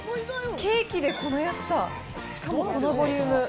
ケーキでこの安さ、しかもこのボリューム。